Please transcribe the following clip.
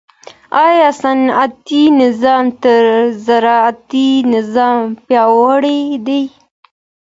آیا صنعتي نظام تر زراعتي نظام پیاوړی دی؟